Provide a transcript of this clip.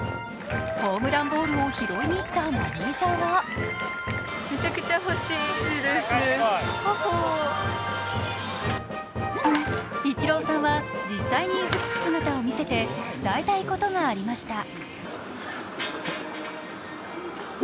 ホームランボールを拾いにいったマネージャーはイチローさんは実際に打つ姿を見せて伝えたいことがありました。